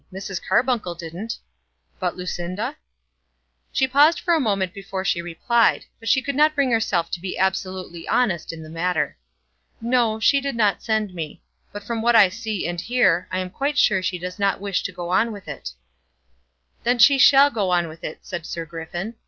Mrs. Carbuncle didn't." "But Lucinda?" She paused for a moment before she replied; but she could not bring herself to be absolutely honest in the matter. "No; she didn't send me. But from what I see and hear, I am quite sure she does not wish to go on with it." "Then she shall go on with it," said Sir Griffin.